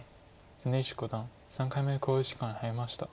常石五段３回目の考慮時間に入りました。